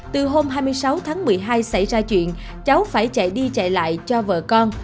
từ hôm hai mươi sáu tháng một mươi hai xảy ra chuyện cháu phải chạy đi chạy lại cho vợ con